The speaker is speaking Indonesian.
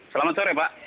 selamat sore pak